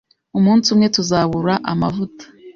Umunsi umwe tuzabura amavuta.